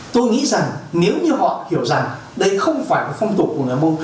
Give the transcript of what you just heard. tôi nghĩ rằng nếu như họ hiểu rằng đây không phải phong tổ của người âm ông